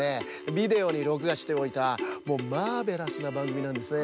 ビデオにろくがしておいたもうマーベラスなばんぐみなんですね。